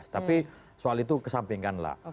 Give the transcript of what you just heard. tapi soal itu kesampingkan lah